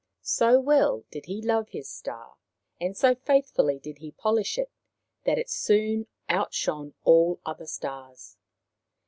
So well did he love his star, and so faithfully did he polish it, that it soon outshone all other stars.